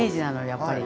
やっぱり。